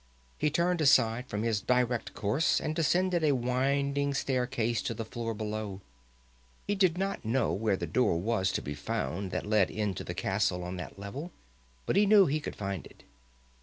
He turned aside from his direct course and descended a winding staircase to the floor below. He did not know where the door was to be found that let into the castle on that level, but he knew he could find it.